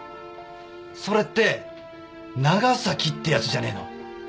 それって長崎って奴じゃねえの？